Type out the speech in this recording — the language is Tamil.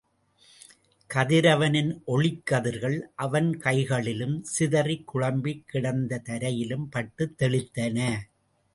கதிரவனின் ஒளிக்கதிர்கள் அவன் கைகளிலும், சிதறிக்குழம்பிக் கிடந்த தரையிலும் பட்டுத் தெளித்தன.